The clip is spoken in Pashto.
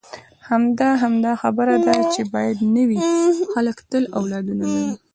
همدا، همدا خبره ده چې باید نه وي، خلک تل اولادونه لري.